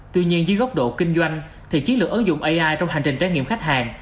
tuy nhiên dưới góc độ kinh doanh thì chiến lược ứng dụng ai trong hành trình trải nghiệm khách hàng